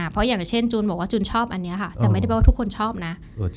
เพราะอย่างเช่นจูนบอกว่าจูนชอบอันนี้ค่ะแต่ไม่ได้แปลว่าทุกคนชอบนะ